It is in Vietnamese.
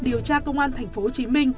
điều tra công an tp hcm